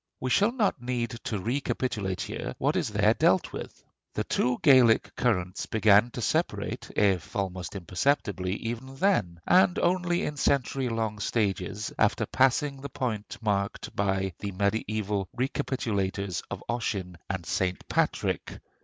We shall not need to recapitulate here what is there dealt with. The two Gaelic currents began to separate, if almost imperceptibly, even then; and only in century long stages, after passing the point marked by the mediæval recapitulators of Ossian and St. Patrick.